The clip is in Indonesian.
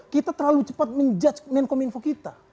kita terlalu cepat menjudge menkominfo kita